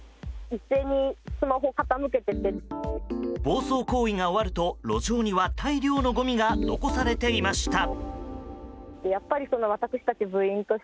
暴走行為が終わると、路上には大量のごみが残されていました。